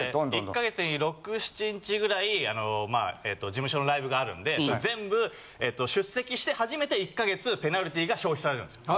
１か月で６７日ぐらい事務所のライブがあるんで全部出席して初めて１か月ペナルティが消費されるんですよ。